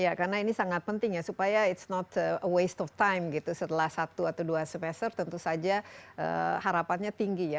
iya karena ini sangat penting ya supaya ⁇ its ⁇ not a waste of time gitu setelah satu atau dua semester tentu saja harapannya tinggi ya